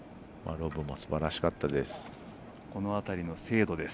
ロブもすばらしかったです。